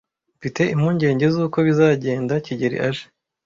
Mfite impungenge zuko bizagenda kigeli aje.